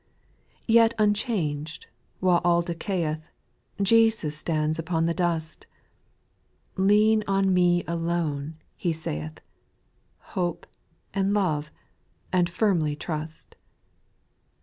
4. Yet unchanged, while all decay eth, Jesus stands upon the dust ;" Lean on me alone," He sayeth, " Hope, and love, and firmly trust."